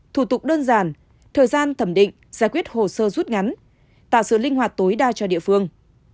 thủ tục đơn giản thời gian thẩm định giải quyết hồ sơ rút ngắn tạo sự linh hoạt tối đa cho địa phương